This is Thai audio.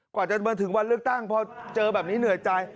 กว่าจะมาถึงวันเลือกตั้งพอเจอแบบนี้เหนื่อยใจ